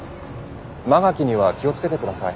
馬垣には気を付けて下さい。